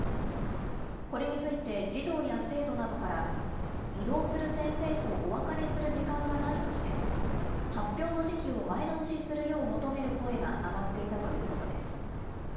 これについて児童や生徒などから、異動する先生とお別れする時間がないとして、発表の時期を前倒しするよう求める声が上がっていたということです。